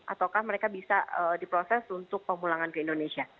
ataukah mereka bisa diproses untuk pemulangan ke indonesia